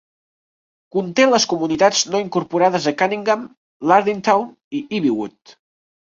Conté les comunitats no incorporades de Cunningham, Lardintown i Ivywood.